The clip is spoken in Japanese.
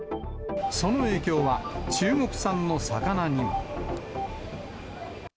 その影響は、中国産の魚にも。